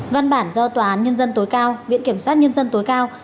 văn bản do tòa án nhân dân tối cao viện kiểm sát nhân dân tối cao